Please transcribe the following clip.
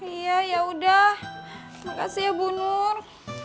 iya yaudah makasih ya bu nur